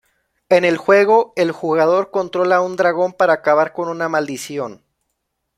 En el juego el jugador controla a un dragón para acabar con una maldición.